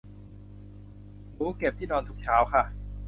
หนูเก็บที่นอนทุกเช้าค่ะ